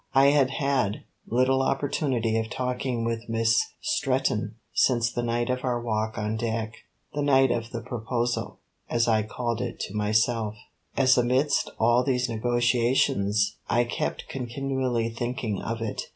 I had had little opportunity of talking with Miss Stretton since the night of our walk on deck, the night of the proposal, as I called it to myself, as amidst all these negotiations I kept continually thinking of it.